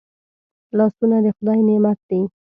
لاسونه د خدای نعمت دی